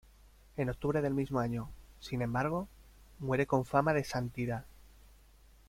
En octubre del mismo año, sin embargo, muere con fama de santidad.